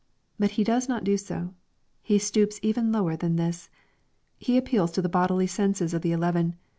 But He doos not do so. He stoops even lower than this. He appeals to the bodily senses of the eleven.